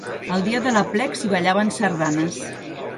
El dia de l’aplec s’hi ballaven sardanes.